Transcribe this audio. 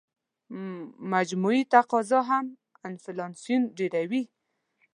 مجموعي تقاضا هم انفلاسیون ډېروي.